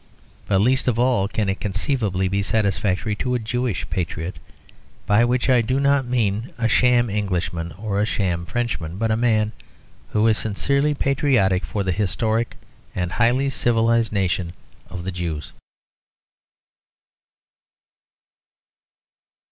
But least of all can it conceivably be satisfactory to a Jewish patriot; by which I do not mean a sham Englishman or a sham Frenchman, but a man who is sincerely patriotic for the historic and highly civilised nation of the Jews.